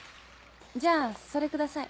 じゃあそれください。